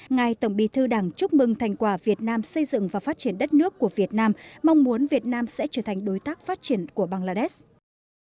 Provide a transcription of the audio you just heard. ngài tổng bí thư đảng chúc mừng thành quả việt nam xây dựng và phát triển đất nước của việt nam mong muốn việt nam sẽ trở thành đối tác phát triển của bangladesh